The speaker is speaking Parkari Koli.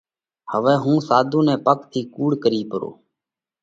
هوَئہ هُون ساڌُو نئہ پڪ ٿِي ڪُوڙو ڪرِيه پرو۔